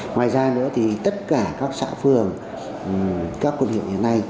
ngoài ra nữa thì tất cả các xã phường các quân hiệu như thế này